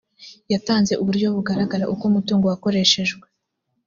yatanze uburyo bugaragara uko umutungo wakoreshejwe